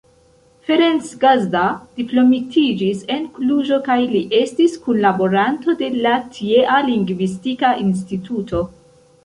Ferenc Gazda diplomitiĝis en Kluĵo kaj li estis kunlaboranto de la tiea Lingvistika Instituto.